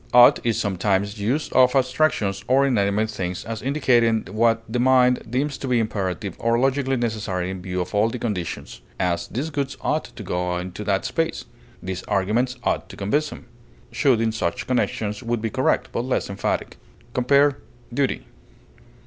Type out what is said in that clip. Ought is sometimes used of abstractions or inanimate things as indicating what the mind deems to be imperative or logically necessary in view of all the conditions; as, these goods ought to go into that space; these arguments ought to convince him; should in such connections would be correct, but less emphatic. Compare DUTY.